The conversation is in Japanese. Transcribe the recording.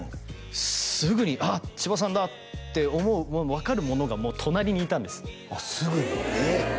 すぐに「あっ千葉さんだ」って思う分かるものがもう隣にいたんですあっすぐにえっ？